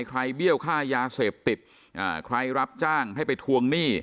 เบี้ยวค่ายาเสพติดอ่าใครรับจ้างให้ไปทวงหนี้